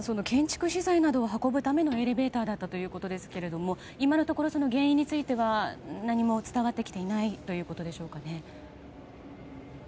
建築資材などを運ぶエレベーターだったということですけれども今のところ原因については何も伝わってきていないということでしょうかね。